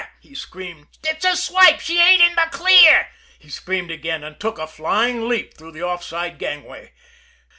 he screamed. "It's a swipe! She ain't in the clear!" he screamed again and took a flying leap through the off side gangway.